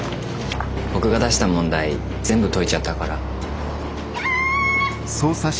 僕が出した問題全部解いちゃったから。